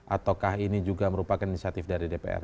ataukah ini juga merupakan inisiatif dari dpr